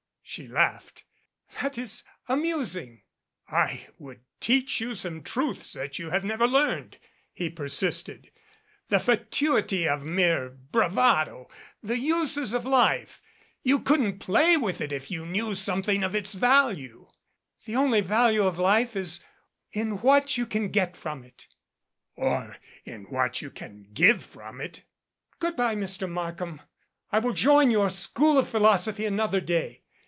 she laughed. "That is amusing." "I would teach you some truths that you have never learned," he persisted, "the fatuity of mere bravado, the uses of life. You couldn't play with it if you knew some thing of its value " "The only value of life is in what you can get from it " "Or in what you can give from it " "Good bye, Mr. Markham. I will join your school of philosophy another day.